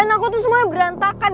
aku tuh semuanya berantakan